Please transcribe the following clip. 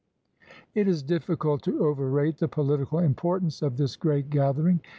It is difficult to overrate the political importance of this great gathering.